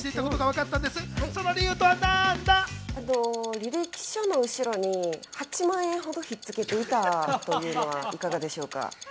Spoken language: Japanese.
履歴書の後ろに８万円ほど引っ付けていたというのはいかがでしょうか？